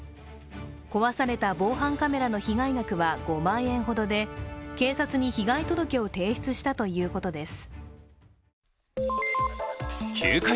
壊された防犯カメラの被害額は５万円ほどで、警察に被害届を提出したということです。